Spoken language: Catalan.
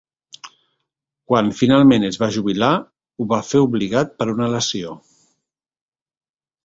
Quan finalment es va jubilar, ho va fer obligat per una lesió.